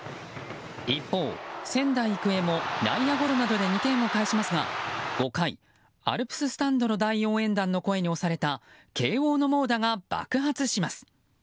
一方、仙台育英も内野ゴロなどで２点を返しますが５回、アルプススタンドの大応援団の声に押された慶應の猛打が爆発します。